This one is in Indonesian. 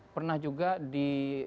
pernah juga di dua ribu lima